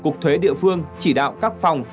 cục thuế địa phương chỉ đạo các phòng